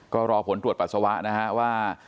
ก็รอผลตรวจปัสสาวะนะฮะว่า